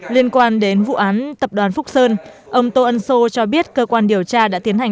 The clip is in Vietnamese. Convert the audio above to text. liên quan đến vụ án tập đoàn phúc sơn ông tô ân sô cho biết cơ quan điều tra đã tiến hành